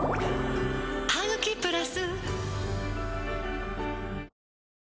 「ハグキプラス」